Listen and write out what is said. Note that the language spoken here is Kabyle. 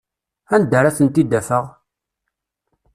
Anda ara tent-id-afeɣ?